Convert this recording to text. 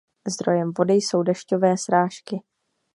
Zdrojem vody jsou dešťové srážky.